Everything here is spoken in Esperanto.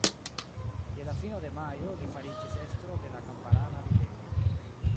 Je la fino de majo li fariĝis estro de la kamparana ribelo.